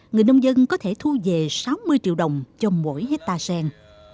người nông dân có thể thu về sáu mươi triệu đồng cho mỗi hectare sen